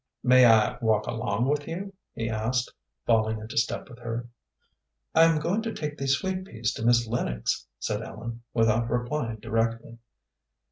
"May I walk along with you?" he asked, falling into step with her. "I am going to take these sweet peas to Miss Lennox," said Ellen, without replying directly.